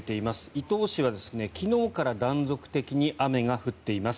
伊東市は昨日から断続的に雨が降っています。